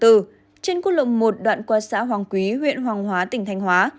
trên quốc lộ một đoạn qua xã hoàng quý huyện hoàng hóa tỉnh thanh hóa